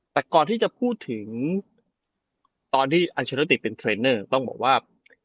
แต่ก่อนที่จะพูดตอนที่อัชภาวิชาติเป็นเทรนเน่าต้องบอกว่า